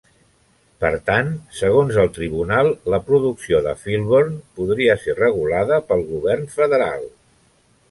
Per tant, segons el tribunal, la producció de Filburn podria ser regulada pel govern federal.